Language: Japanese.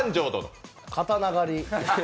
刀狩り。